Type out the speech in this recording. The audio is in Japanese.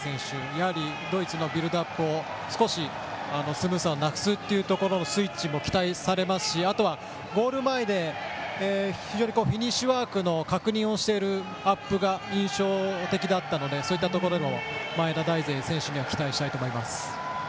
やはりドイツのビルドアップのスムーズさをなくすスイッチも期待されますしあとは、ゴール前で非常にフィニッシュワークの確認をしているアップが印象的だったのでそういったところで前田大然選手期待したいと思います。